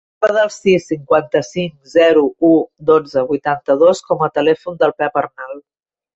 Guarda el sis, cinquanta-cinc, zero, u, dotze, vuitanta-dos com a telèfon del Pep Arnal.